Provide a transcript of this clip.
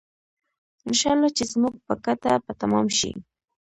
انشاالله چې زموږ په ګټه به تمام شي.